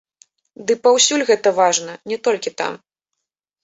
Ды, паўсюль гэта важна, не толькі там.